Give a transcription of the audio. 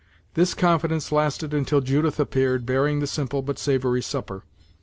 This confidence lasted until Judith appeared, bearing the simple but savory supper.